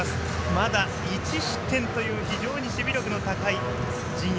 まだ１失点という非常に守備力の高い陣容。